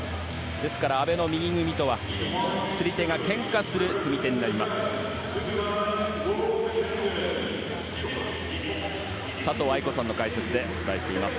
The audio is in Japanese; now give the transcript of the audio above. ですから、阿部の右組みとは釣り手がけんかする組み手になります。